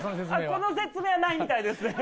この説明はないみたいですね。